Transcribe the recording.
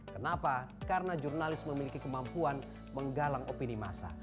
kenapa karena jurnalis memiliki kemampuan menggalang opini masa